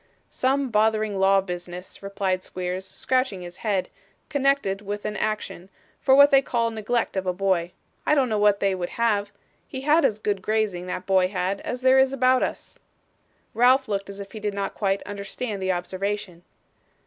'Some bothering law business,' replied Squeers, scratching his head, 'connected with an action, for what they call neglect of a boy. I don't know what they would have. He had as good grazing, that boy had, as there is about us.' Ralph looked as if he did not quite understand the observation.